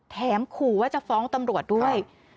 ขู่ว่าจะฟ้องตำรวจด้วย